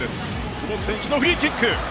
久保選手のフリーキック！